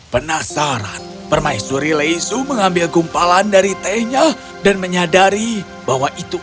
penasaran permaisuri lesu mengambil gumpalan dari tehnya dan menyadari bahwa itu